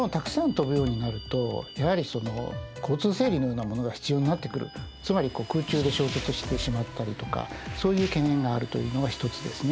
私もですねつまり空中で衝突してしまったりとかそういう懸念があるというのが一つですね。